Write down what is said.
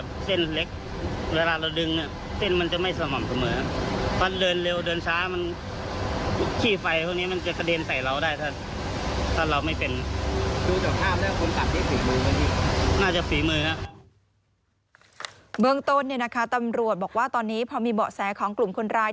เบื้องต้นตำรวจบอกว่าตอนนี้พอมีเบาะแสของกลุ่มคนร้าย